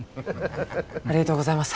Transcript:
ありがとうございます。